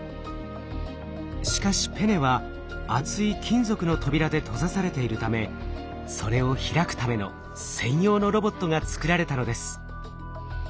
しかしペネは厚い金属の扉で閉ざされているためそれを開くための専用のロボットが作られたのです。